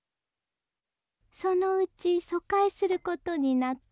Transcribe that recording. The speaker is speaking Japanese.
そのうち疎開することになって